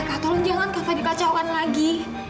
kak tolong jangan kak fadil kacaukan lagi